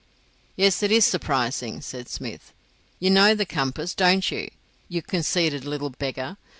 "Yes, it is surprising," said Smith. "You know the compass, don't you, you conceited little beggar.